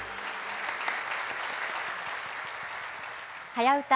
「はやウタ」